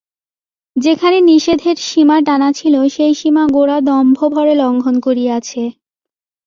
যেখানে নিষেধের সীমা টানা ছিল সেই সীমা গোরা দম্ভভরে লঙ্ঘন করিয়াছে।